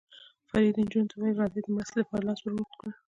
فرید نجونو ته وویل: راځئ، د مرستې لپاره یې لاس ور اوږد کړ.